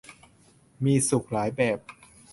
มีสุขหลายแบบ